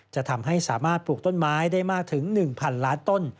จะทำให้สามารถปลูกต้นไม้ได้มากถึง๑๐๐๐ล้านต้น